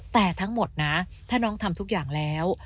แต่ทั้งหมดนะถ้าน้องทำทุกอย่างแล้ว